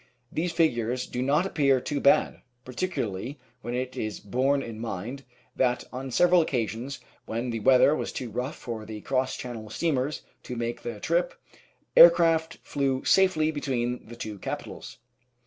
These figures do not appear too bad, particularly when it is borne in mind that on several occasions when the weather was too rough for the cross Channel steamers to make the trip, aircraft flew safely between the two capitals.